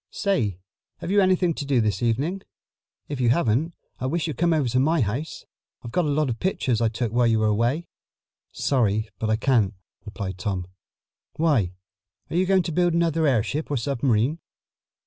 Say, have you anything to do this evening? If you haven't, I wish you'd come over to my house. I've got a lot of pictures I took while you were away." "Sorry, but I can't," replied Tom. "Why, are you going to build another airship or submarine?"